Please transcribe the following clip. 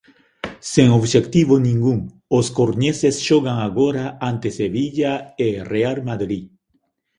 Sen obxectivo ningún, os coruñeses xogan agora ante Sevilla e Real Madrid